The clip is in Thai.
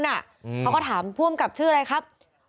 เขาก็ถามผู้อำกับชื่ออะไรครับ